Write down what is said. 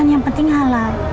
kan yang penting halal